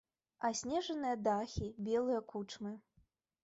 Аснежаныя дахі белыя кучмы.